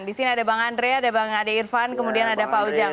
di sini ada bang andre ada bang ade irfan kemudian ada pak ujang